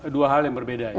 dua hal yang berbeda